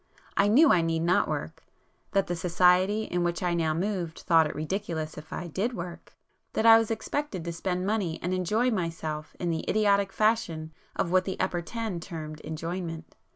I knew I need not work; that the society in which I now moved thought it ridiculous if I did work; that I was expected to spend money and 'enjoy' myself in the idiotic fashion of what the 'upper ten' term enjoyment.